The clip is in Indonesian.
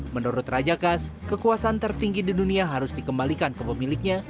menurut raja kas kekuasaan tertinggi di dunia harus dikembalikan ke pemiliknya